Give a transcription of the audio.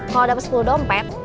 kalau dapet sepuluh dompet